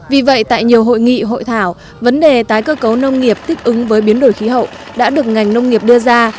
vì vậy tại nhiều hội nghị hội thảo vấn đề tái cơ cấu nông nghiệp thích ứng với biến đổi khí hậu đã được ngành nông nghiệp đưa ra